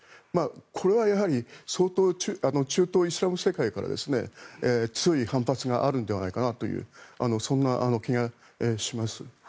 これはやはり相当中東イスラム世界から強い反発があるのではというそんな気がします。